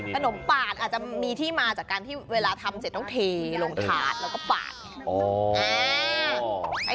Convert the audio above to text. ประโหมปากอาจจะมีที่มาจากการที่เวลาทำได้ต้องเทลงทาสค่ะ